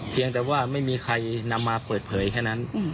เพียงแต่ว่าไม่มีใครนำมาเปิดเผยแค่นั้น